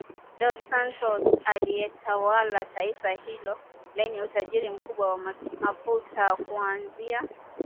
Dos Santos aliyetawala taifa hilo lenye utajiri mkubwa wa mafuta kuanzia